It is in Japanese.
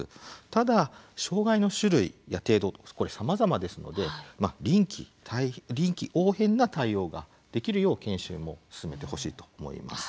ただ障害の種類や程度これさまざまですので臨機応変な対応ができるよう研修も進めてほしいと思います。